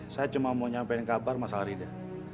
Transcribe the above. saya cuma mau nyampein kabar masal rida